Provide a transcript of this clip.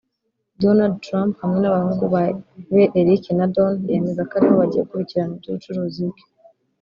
Donald Trump hamwe n'abahungu be Eric na Don yameza ko aribo bagiye gukurikirana iby'ubucuruzu bwe